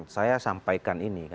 saya sampaikan ini